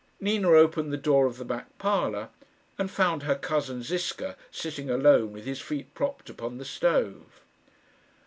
Nina opened the door of the back parlour, and found her cousin Ziska sitting alone with his feet propped upon the stove.